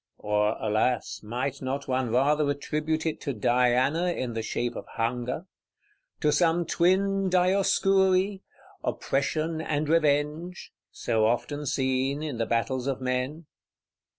Or, alas, might not one rather attribute it to Diana in the shape of Hunger? To some twin Dioscuri, OPPRESSION and REVENGE; so often seen in the battles of men?